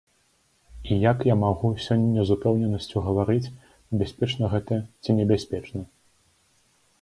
І як я магу сёння з упэўненасцю гаварыць, бяспечна гэта ці небяспечна?